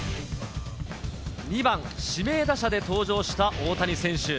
２番・指名打者で登場した大谷選手。